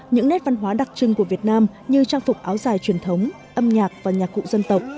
những nét văn hóa đặc trưng của việt nam như trang phục áo dài truyền thống âm nhạc và nhạc cụ dân tộc